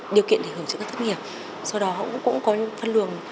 điều kiện để hưởng cho các doanh nghiệp sau đó cũng có phân lường